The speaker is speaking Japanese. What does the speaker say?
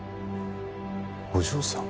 お嬢さん？